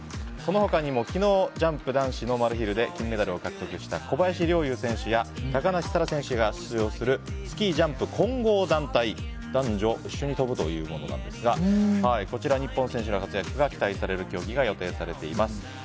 その他にも昨日ジャンプ男子ノーマルヒルで金メダルを獲得した小林陵侑選手や高梨沙羅選手が出場するスキージャンプ混合団体男女一緒に飛ぶというものですがこちら、日本選手らの活躍が期待される競技が予定されています。